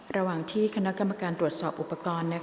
ระหว่างที่คณะกรรมการตรวจสอบอุปกรณ์